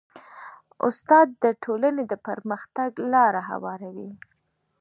استاد د ټولنې د پرمختګ لاره هواروي.